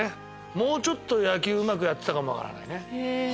もうちょっと野球うまくやってたかも分からないね。